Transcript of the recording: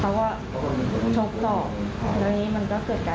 เขาไม่ชอบที่หนูเรียกแทนตัวเองเมื่อกี้